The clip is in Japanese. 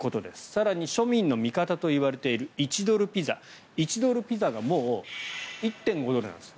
更に、庶民の味方といわれている１ドルピザ１ドルピザがもう１．５ドルなんです。